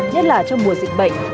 nhất là trong mùa dịch bệnh